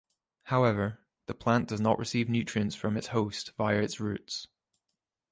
However, the plant does not receive nutrients from its host via its roots.